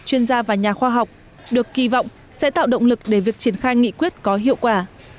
chuyên gia và nhà khoa học được kỳ vọng sẽ tạo động lực để việc triển khai nghị quyết có hiệu quả